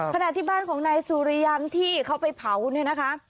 ขณะที่บ้านของนายสุริยันที่เขาไปเผาเนี่ยนะคะ